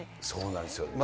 そうなんですよ。